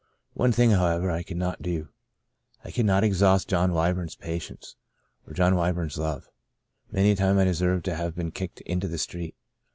One thing, however, I could not do — I could not exhaust John Wyburn's patience, or John Wyburn's love. Many a time I deserved to have been kicked into the street.